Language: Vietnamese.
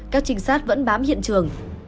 các trinh sát vẫn bám hiện trường